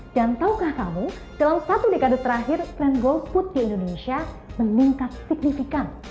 dan tahukah kamu dalam satu dekade terakhir tren golput di indonesia meningkat signifikan